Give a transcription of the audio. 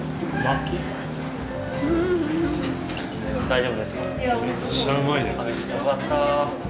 大丈夫ですか？